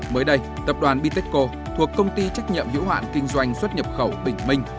mới đây tập đoàn bitexco thuộc công ty trách nhiệm hiểu hạn kinh doanh xuất nhập khẩu bình minh